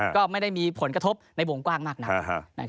ก็ไม่ได้มีผลกระทบในวงกว้างมากนัก